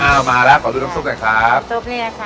เอามาแล้วขอดูน้ำซุบเนี่ยไงครับ